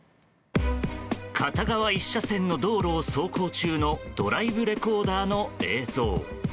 片側１車線の道路を走行中のドライブレコーダーの映像。